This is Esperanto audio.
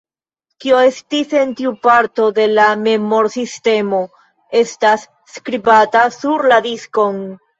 Kio estis en tiu parto de la memor-sistemo estas skribata sur la diskon.